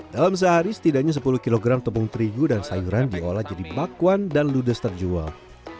dalam sehari setidaknya sepuluh kg tepung terigu dan sayuran diolah jadi bakwan dan ludes terjual